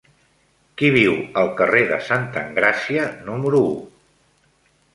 Qui viu al carrer de Santa Engràcia número u?